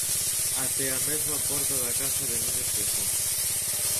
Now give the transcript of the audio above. Até a mesma porta da casa de Núñez Feijóo.